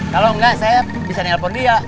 kalau enggak saya bisa nelpon dia